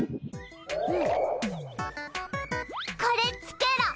これつけろ。